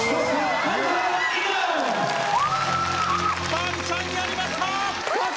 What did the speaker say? ぱんちゃんやりました！